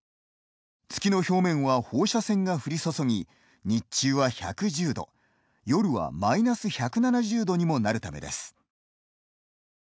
月の表面は放射線が降り注ぎ日中は１１０度夜はマイナス１７０度にもなるためです。